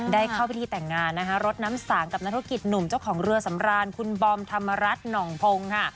ได้เข้าพิธีแต่งงานนะคะรดน้ำสางกับนักธุรกิจหนุ่มเจ้าของเรือสำรานคุณบอมธรรมรัฐหน่องพงศ์ค่ะ